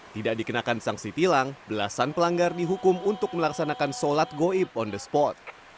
tidak dikenakan sanksi tilang belasan pelanggar dihukum untuk melaksanakan sholat goib on the spot